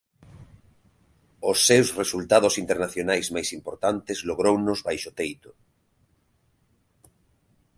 Os seus resultados internacionais máis importantes logrounos baixo teito.